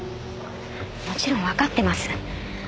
もちろんわかってます。